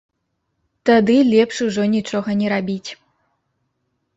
Тады лепш ужо нічога не рабіць.